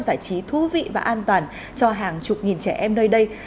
giải trí thú vị và an toàn cho hàng chục nghìn trẻ em nơi đây